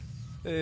え